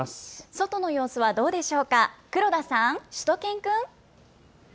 外の様子はどうでしょうか、黒田さん、しゅと犬くん。